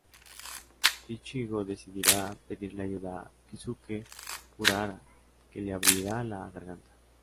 Ichigo decidirá pedirle ayuda a Kisuke Urahara, que le abrirá la "Garganta".